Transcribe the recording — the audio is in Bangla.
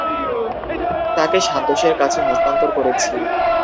তাকে সান্তোসের কাছে হস্তান্তর করেছি।